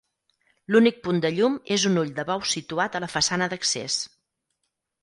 L'únic punt de llum és un ull de bou situat a la façana d'accés.